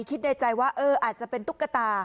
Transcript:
คิดในใจว่าเอออาจจะเป็นตุ๊กตา